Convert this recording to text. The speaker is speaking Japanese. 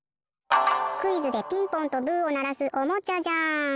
クイズでピンポンとブーをならすおもちゃじゃん！